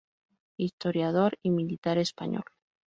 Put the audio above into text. Historiador y militar español.